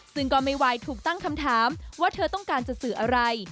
ซึ่งก็ไม่ไหวถูกตั้งคำถามว่าเธอต้องการจะสื่ออะไร